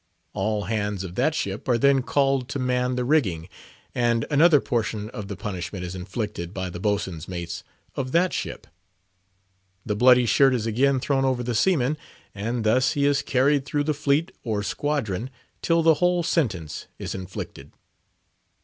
All hands of that ship are then called to man the rigging, and another portion of the punishment is inflicted by the boatswain's mates of that ship. The bloody shirt is again thrown over the seaman; and thus he is carried through the fleet or squadron till the whole sentence is inflicted.